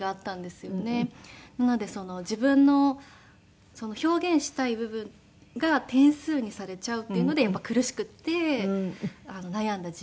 なので自分の表現したい部分が点数にされちゃうっていうのでやっぱり苦しくて悩んだ時期がありました。